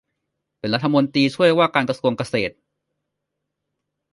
เป็นรัฐมนตรีช่วยว่าการกระทรวงเกษตร